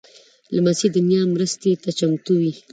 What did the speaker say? لمسی د نیا مرستې ته چمتو وي.